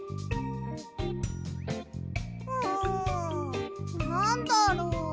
んなんだろう？